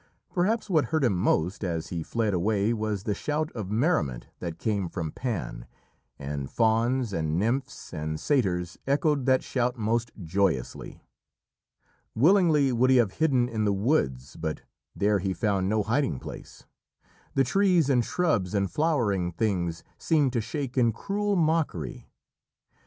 Perhaps what hurt him most, as he fled away, was the shout of merriment that came from Pan. And fauns and nymphs and satyrs echoed that shout most joyously. Willingly would he have hidden in the woods, but there he found no hiding place. The trees and shrubs and flowering things seemed to shake in cruel mockery.